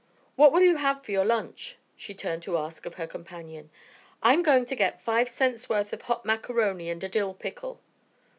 "What will you have for your lunch?" she turned to ask of her companion. "I'm going to get five cents' worth of hot macaroni and a dill pickle."